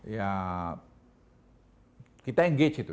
ya kita engage itu